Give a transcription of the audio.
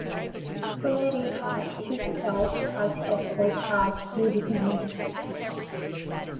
Spalletti had two spells as head coach at Udinese.